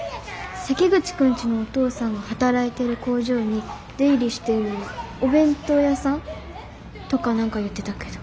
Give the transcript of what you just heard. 関口くんちのお父さんが働いてる工場に出入りしてるお弁当屋さん？とか何か言ってたけど。